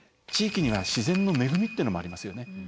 地域には自然の恵みっていうのもありますよね。